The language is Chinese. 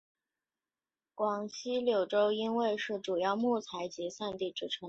广西柳州因为是主要木材集散地之称。